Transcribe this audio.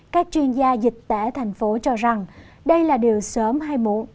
các chuyên gia dịch tả thành phố cho rằng đây là điều sớm hay muộn